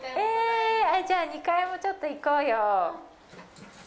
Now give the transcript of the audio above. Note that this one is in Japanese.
じゃあ２階も、ちょっと行こうよ。